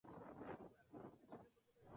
La ametralladora Gatling finalizó segunda.